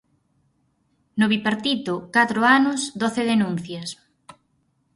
No Bipartito: catro anos, doce denuncias.